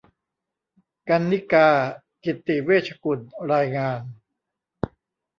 กรรณิการ์ กิจติเวชกุล รายงาน